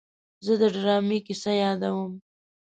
زه د ډرامې کیسه یادوم.